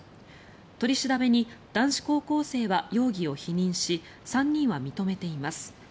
取り調べに男子高校生は容疑を否認し３人は認めています。